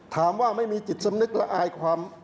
ถามว่าไม่มีจิตสำนึกละอายความ